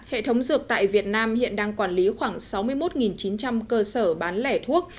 hệ thống dược tại việt nam hiện đang quản lý khoảng sáu mươi một chín trăm linh cơ sở bán lẻ thuốc